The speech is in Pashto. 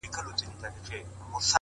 سیاه پوسي ده!! مرگ خو یې زوی دی!!